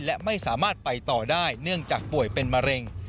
และไม่สามารถไปต่อได้เนื่องจากป่วยเป็นมะเร็ง